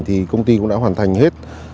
thì công ty cũng đã hoàn thành hết